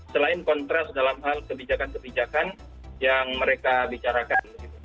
selain kontras dalam hal kebijakan kebijakan yang mereka bicarakan